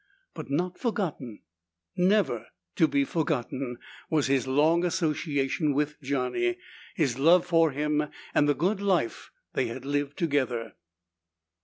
But not forgotten, never to be forgotten, was his long association with Johnny, his love for him, and the good life they had lived together.